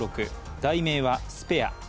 題名は「スペア」。